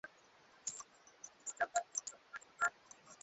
Zanzibar imekuwa makazi ya watu kwa takribani miaka ishirini